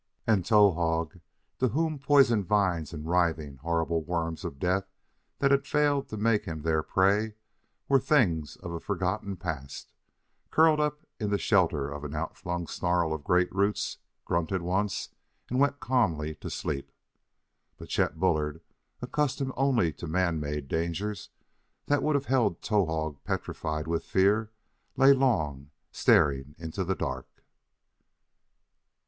And Towahg, to whom poison vines and writhing, horrible worms of death that had failed to make him their prey were things of a forgotten past, curled up in the shelter of an outflung snarl of great roots, grunted once, and went calmly to sleep. But Chet Bullard, accustomed only to man made dangers that would have held Towahg petrified with fear, lay long, staring into the dark.